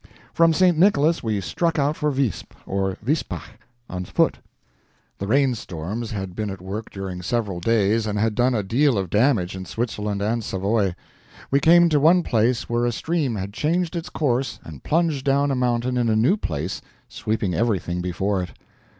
From St. Nicholas we struck out for Visp or Vispach on foot. The rain storms had been at work during several days, and had done a deal of damage in Switzerland and Savoy. We came to one place where a stream had changed its course and plunged down a mountain in a new place, sweeping everything before it.